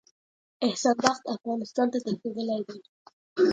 احسان بخت افغانستان ته تښتېدلی دی.